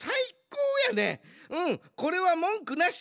うんこれはもんくなし！